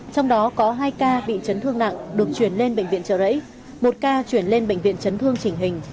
trong đó có hai ca bị chấn thương nặng được chuyển lên bệnh viện trợ rẫy một ca chuyển lên bệnh viện chấn thương chỉnh hình